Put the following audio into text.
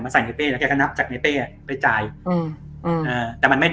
ใส่ในเป้แล้วแกก็นับจากในเป้อ่ะไปจ่ายอืมอ่าแต่มันไม่